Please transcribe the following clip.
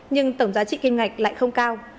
nhưng tổng giá trị kim ngạch lại không cao